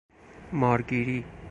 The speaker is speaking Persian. مار گیری